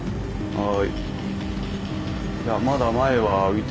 はい。